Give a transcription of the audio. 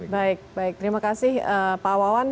baik baik terima kasih pak wawan